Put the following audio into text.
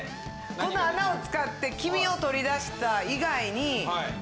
この穴を使って黄身を取り出した以外にあっ。